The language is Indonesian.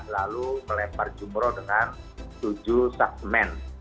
lalu melempar jumroh dengan tujuh saksemen